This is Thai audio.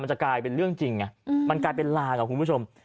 จะกลายเป็นเรื่องจริงไงมันกลายเป็นลากับคุณผู้ชม